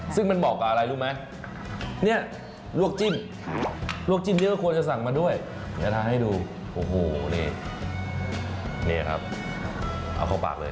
ซึ่งมันเหมาะกับอะไรรู้ไหมเนี่ยลวกจิ้มลวกจิ้มเยอะก็ควรจะสั่งมาด้วยเดี๋ยวทานให้ดูโอ้โหนี่นี่ครับเอาเข้าปากเลย